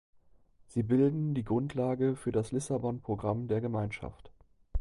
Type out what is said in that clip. Sie bilden die Grundlage für das Lissabon-Programm der Gemeinschaft.